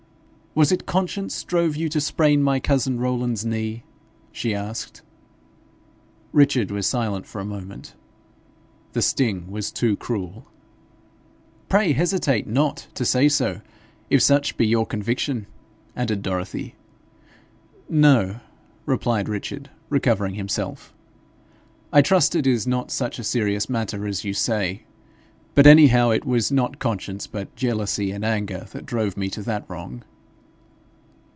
'Was it conscience drove you to sprain my cousin Rowland's knee?' she asked. Richard was silent for a moment. The sting was too cruel. 'Pray hesitate not to say so, if such be your conviction,' added Dorothy. 'No,' replied Richard, recovering himself. 'I trust it is not such a serious matter as you say; but any how it was not conscience but jealousy and anger that drove me to that wrong.'